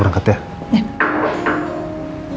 bentar mama liat dulu